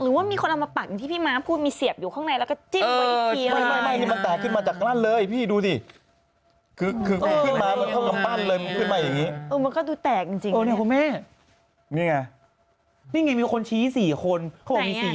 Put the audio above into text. หรือว่ามีคนเอามาปักอย่างที่พี่ม้าพูดมีเสียบอยู่ข้างในแล้วก็จิ้มไว้อีกที